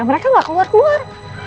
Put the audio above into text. mereka gak keluar keluar